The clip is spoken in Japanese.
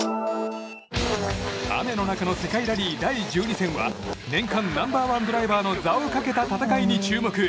雨の中の世界ラリー第１２戦は年間ナンバー１ドライバーの座をかけた戦いに。